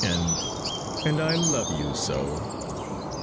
and and I love you so!"